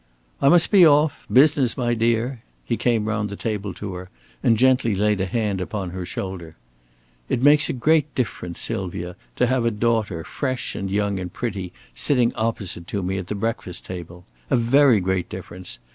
"I must be off business, my dear." He came round the table to her and gently laid a hand upon her shoulder. "It makes a great difference, Sylvia, to have a daughter, fresh and young and pretty, sitting opposite to me at the breakfast table a very great difference.